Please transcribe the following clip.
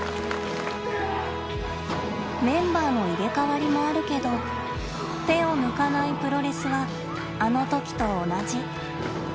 メンバーの入れ代わりもあるけど「手を抜かないプロレス」はあのときと同じ。